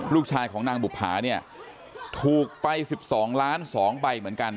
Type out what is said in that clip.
ลูกชายของนางบุภาเนี่ยถูกไป๑๒ล้าน๒ใบเหมือนกัน